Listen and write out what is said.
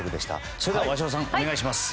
それでは鷲尾さんお願いします。